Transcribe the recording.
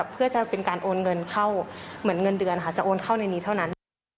เพื่อจะเป็นการโอนเงินเข้าเหมือนเงินเดือนค่ะจะโอนเข้าในนี้เท่านั้น